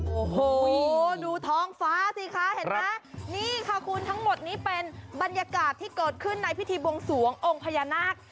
โอ้โหดูท้องฟ้าสิคะเห็นไหมนี่ค่ะคุณทั้งหมดนี้เป็นบรรยากาศที่เกิดขึ้นในพิธีบวงสวงองค์พญานาค